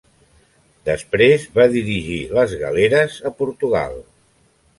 Després va dirigir les galeres a Portugal.